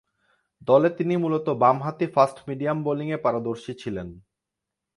দলে তিনি মূলতঃ বামহাতি ফাস্ট মিডিয়াম বোলিংয়ে পারদর্শী ছিলেন।